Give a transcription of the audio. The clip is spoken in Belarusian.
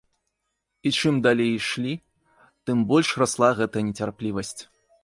І чым далей ішлі, тым больш расла гэтая нецярплівасць.